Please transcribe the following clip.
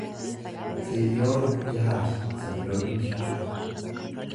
tiriliyoona jaha fi soddomii shan